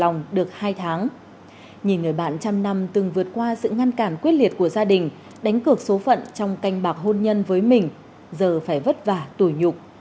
nhìn người bạn trăm năm từng vượt qua sự ngăn cản quyết liệt của gia đình đánh cược số phận trong canh bạc hôn nhân với mình giờ phải vất vả tuổi nhục